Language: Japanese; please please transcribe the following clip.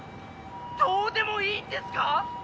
☎どうでもいいんですか！？